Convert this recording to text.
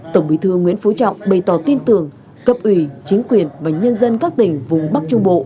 tổng bí thư nguyễn phú trọng bày tỏ tin tưởng cập ủy chính quyền và nhân dân các tỉnh vùng bắc trung bộ